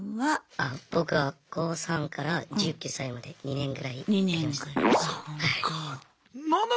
あ僕は高３から１９歳まで２年ぐらいやりました。